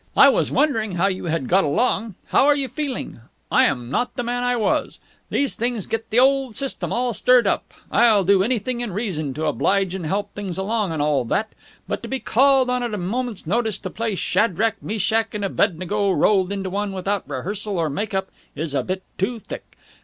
I was wondering how you had got along. How are you feeling? I'm not the man I was! These things get the old system all stirred up! I'll do anything in reason to oblige and help things along and all that, but to be called on at a moment's notice to play Shadrach, Meshach, and Abednego rolled into one, without rehearsal or make up, is a bit too thick!